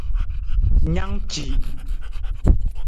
Na ng ci.